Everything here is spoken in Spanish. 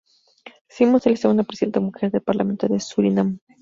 Simons es la segunda presidenta mujer del Parlamento de Surinam.